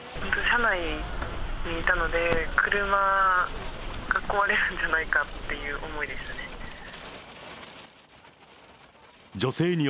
車内にいたので、車が壊れるんじゃないかっていう思いでしたね。